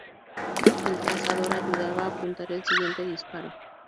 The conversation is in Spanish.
El trazador ayudaba a apuntar el siguiente disparo.